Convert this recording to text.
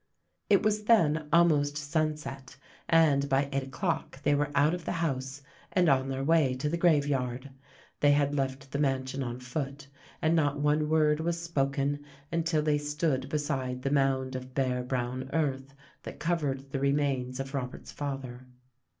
It was then almost sunset, and by eight o'clock they were out of the house and on their way to the graveyard. They had left the mansion on foot, and not one word was spoken until they stood beside the mound of bare brown earth that covered the remains of Robert's father.